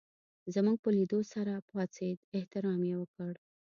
زموږ په لېدو سره پاڅېد احترام یې وکړ.